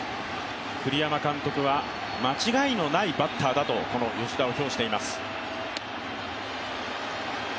栗山監督は間違いのないバッターだと吉田を評しています。